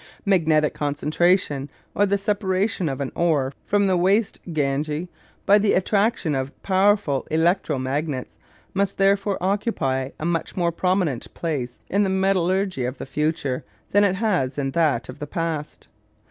Magnetic concentration, or the separation of an ore from the waste gangue by the attraction of powerful electro magnets, must therefore occupy a much more prominent place in the metallurgy of the future than it has in that of the past.